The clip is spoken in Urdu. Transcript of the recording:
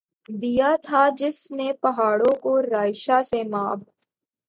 دیا تھا جس نے پہاڑوں کو رعشۂ سیماب